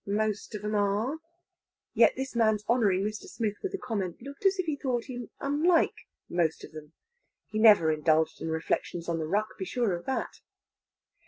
Most of 'em are." Yet this man's honouring Mr. Smith with a comment looked as if he thought him unlike "most of 'em." He never indulged in reflections on the ruck be sure of that!